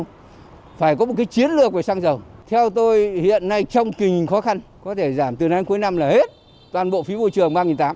phải lâu phải có một cái chiến lược về xăng dầu theo tôi hiện nay trong kỳ khó khăn có thể giảm từ năm cuối năm là hết toàn bộ phí môi trường ba tám trăm linh